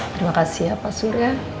terima kasih ya pak surya